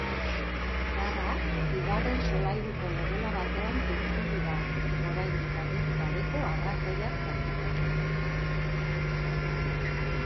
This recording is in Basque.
Garrak bigarren solairuko logela batean piztu dira, oraindik argitu gabeko arrazoiak tarteko.